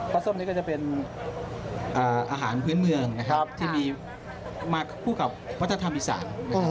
ส้มนี้ก็จะเป็นอาหารพื้นเมืองนะครับที่มีมาคู่กับวัฒนธรรมอีสาน